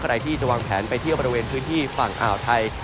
ใครที่จะวางแผนไปเที่ยวบริเวณพื้นที่ฝั่งอ่าวไทย